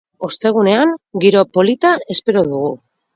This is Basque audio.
Ostegunean giro polita espero dugu.